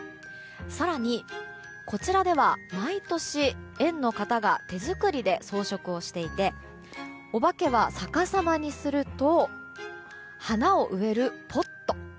更に、こちらでは毎年園の方が手作りで装飾をしていてオバケはさかさまにすると花を植えるポット。